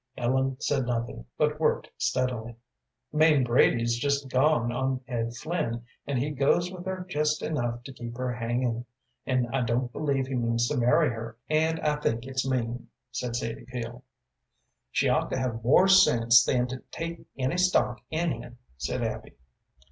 Ellen said nothing, but worked steadily. "Mame Brady's just gone on Ed Flynn, and he goes with her just enough to keep her hangin', and I don't believe he means to marry her, and I think it's mean," said Sadie Peel. "She ought to have more sense than to take any stock in him," said Abby.